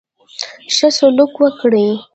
ښه سلوک وکړي.